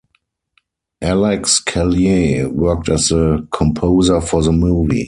Alex Callier worked as the composer for the movie.